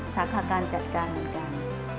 สาขาการจัดการเหมือนกัน